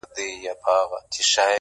له آسمانه هاتف ږغ کړل چي احمقه،